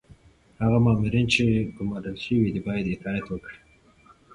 هغه مامورین چي ګمارل شوي دي باید اطاعت وکړي.